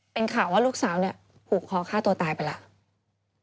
เป็นข่าวว่าลูกสาวเนี่ยผูกคอฆ่าตัวตายไปแล้ว